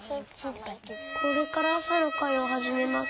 これからあさのかいをはじめます。